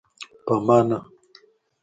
په ما نه.